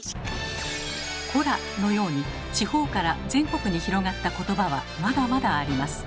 「コラ」のように地方から全国に広がった言葉はまだまだあります。